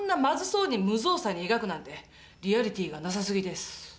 まずそうに無造作に描くなんてリアリティーが無さ過ぎです。